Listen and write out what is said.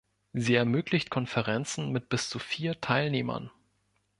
Sie ermöglicht Konferenzen mit bis zu vier Teilnehmern.